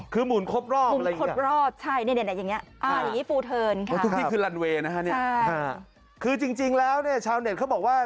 เค้าบอกว่างี้คือรันเวจริงแล้วชาวเน็ตเค้าบอกว่า